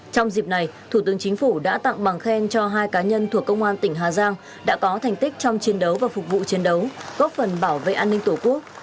trong dịp này thủ tướng chính phủ đã tặng bằng khen cho hai cá nhân thuộc công an tỉnh hà giang đã có thành tích trong chiến đấu và phục vụ chiến đấu góp phần bảo vệ an ninh tổ quốc